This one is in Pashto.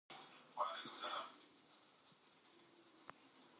فرهنګ د ملتونو ترمنځ د تفاهم او دوه اړخیز درناوي لاره پرانیزي.